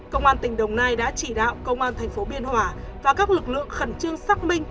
công an tỉnh đồng nai đã chỉ đạo công an thành phố biên hòa và các lực lượng khẩn trương xác minh